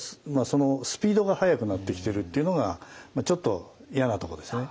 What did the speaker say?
そのスピードが速くなってきてるっていうのがちょっと嫌なとこですね。